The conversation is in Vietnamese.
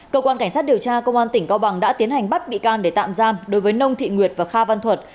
cơ quan cảnh sát điều tra công an tỉnh cao bằng đã tiến hành bắt bị can để tạm giam đối với nông thị nguyệt và kha văn thuật